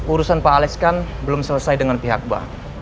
urusan pak aleks kan belum selesai dengan pihak bank